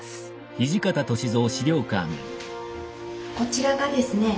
こちらがですね